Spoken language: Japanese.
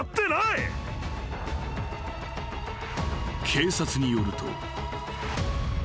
［警察によると］